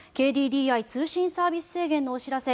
「ＫＤＤＩ通信サービス制限のお知らせ